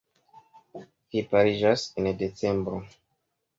Ili pariĝas en decembro.